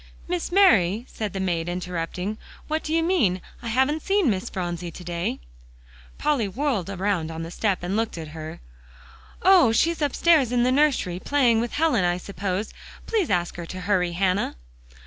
"Miss Mary," said the maid, interrupting, "what do you mean? I haven't seen Miss Phronsie to day." Polly whirled around on the step and looked at her. "Oh! she's upstairs in the nursery, playing with Helen, I suppose. Please ask her to hurry, Hannah."